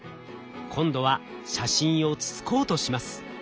今度は写真をつつこうとします。